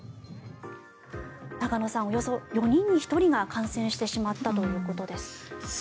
中野さん、およそ４人に１人が感染してしまったということです。